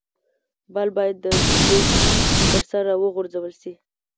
بال باید د پيچ پر سر راوغورځول سي.